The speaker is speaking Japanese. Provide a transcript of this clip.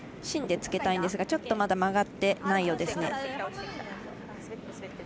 芯でつけたいんですがまだ曲がってないようですね。